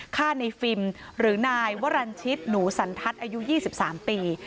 ฆ่าในฟิล์มหรือนายวรรณชิตหนูสันทัศน์อายุ๒๓ปี